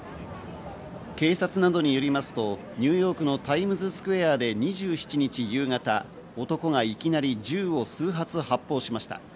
警察などによりますとニューヨークのタイムズスクエアで２７日夕方、男がいきなり銃を数発、発砲しました。